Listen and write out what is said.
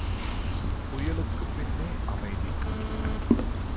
புயலுக்குப் பின்னே அமைதி.